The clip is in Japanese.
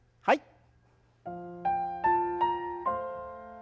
はい。